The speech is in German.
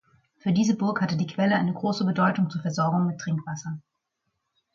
Für diese Burg hatte die Quelle eine große Bedeutung zur Versorgung mit Trinkwasser.